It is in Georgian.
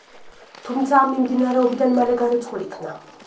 თუმცა ამ მიმდინარეობიდან მალე გარიცხულ იქნა.